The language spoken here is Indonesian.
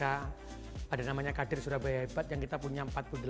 ada namanya kadir surabaya hebat yang kita punya empat puluh delapan